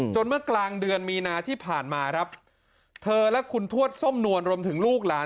เมื่อกลางเดือนมีนาที่ผ่านมาครับเธอและคุณทวดส้มนวลรวมถึงลูกหลาน